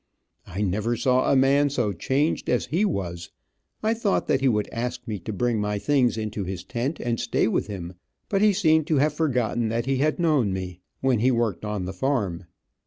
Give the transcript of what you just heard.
I never saw a man so changed as he was. I thought he would ask me to bring my things into his tent, and stay with him, but he seemed to have forgotten that he had known me, when he worked on the farm.